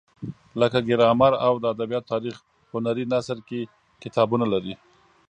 لکه ګرامر او د ادبیاتو تاریخ هنري نثر کې کتابونه لري.